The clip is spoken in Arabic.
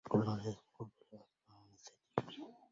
قل للذي فقد الأحبة وانثنى